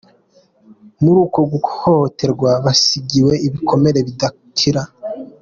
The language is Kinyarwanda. Muri uko guhohoterwa, basigiwe ibikomere bidakira.